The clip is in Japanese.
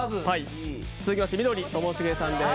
続きまして緑、ともしげさんです。